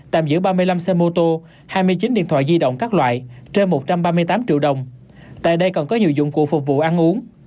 tạm giữ ba mươi năm xe mô tô hai mươi chín điện thoại di động các loại trên một trăm ba mươi tám triệu đồng tại đây còn có nhiều dụng cụ phục vụ ăn uống